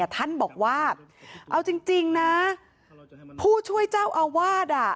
ท่านบอกว่าเอาจริงนะผู้ช่วยเจ้าอาวาส